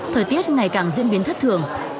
thời tiết ngày càng diễn biến thất thường